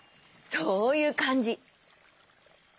そういうかんじ。